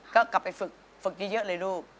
ก็กลับไปฝึกฝึกเยอะเลยลูก